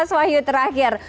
mas wahyu terakhir